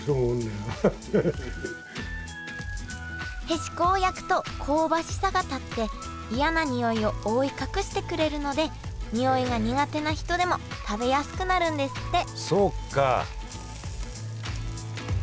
へしこを焼くと香ばしさが立って嫌なにおいを覆い隠してくれるのでにおいが苦手な人でも食べやすくなるんですって